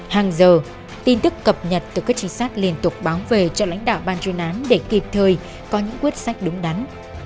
hàng giờ tin tức cập nhật từ các trinh sát liên tục báo về cho lãnh đạo ban chuyên án để kịp thời có những quyết sách đúng đắn